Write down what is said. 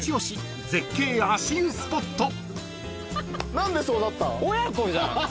何でそうなった？